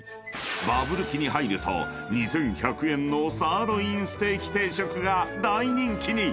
［バブル期に入ると２，１００円のサーロインステーキ定食が大人気に！］